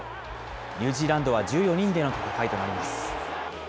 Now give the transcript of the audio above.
ニュージーランドは１４人での戦いとなります。